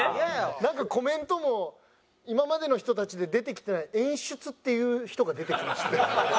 なんかコメントも今までの人たちで出てきてない演出っていう人が出てきましたね。